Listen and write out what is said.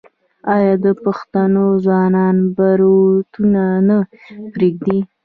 آیا د پښتنو ځوانان بروتونه نه پریږدي؟